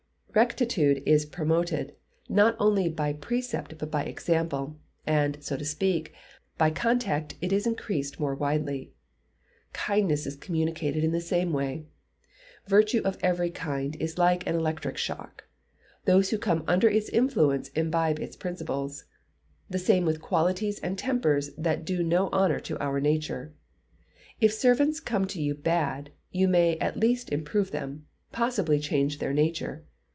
Rectitude is promoted, not only by precept but by example, and, so to speak, by contact it is increased more widely. Kindness is communicated in the same way. Virtue of every kind acts like an electric shock. Those who come under its influence imbibe its principles. The same with qualities and tempers that do no honour to our nature. If servants come to you bad, you may at least improve them; possibly almost change their nature.